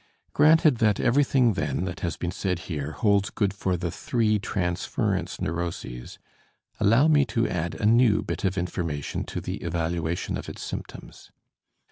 Granted that everything, then, that has been said here, holds good for the three transference neuroses, allow me to add a new bit of information to the evaluation of its symptoms.